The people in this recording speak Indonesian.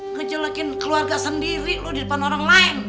ngejelekin keluarga sendiri loh di depan orang lain